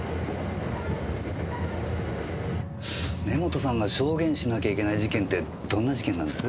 根元さんが証言しなきゃいけない事件ってどんな事件なんです？